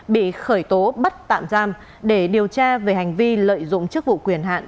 bị khởi tố bắt tạm giam để điều tra về hành vi lợi dụng chức vụ quyền hạn